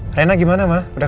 orang ruangnya eigen gitu